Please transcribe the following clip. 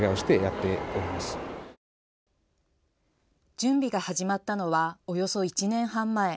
準備が始まったのはおよそ１年半前。